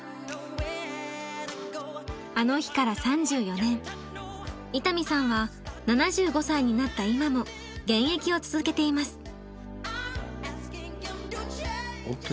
「あの日」から３４年伊丹さんは７５歳になった今も現役を続けています。